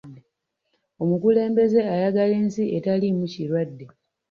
Omukulembeze ayagala ensi etaliimu kirwadde.